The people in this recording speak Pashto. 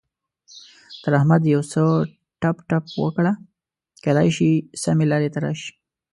تر احمد يو څه ټپ ټپ وکړه؛ کېدای شي سمې لارې ته راشي.